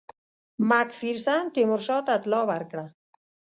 مک فیرسن تیمورشاه ته اطلاع ورکړه.